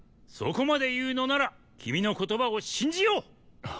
そこまで言うのなら君の言葉を信じよう。